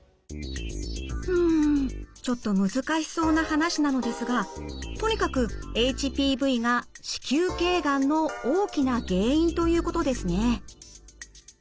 うんちょっと難しそうな話なのですがとにかくＨＰＶが子宮頸がんの大きな原因ということですね。